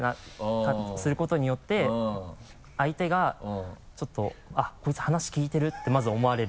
することによって相手がちょっと「あっこいつ話聞いてる」ってまず思われる。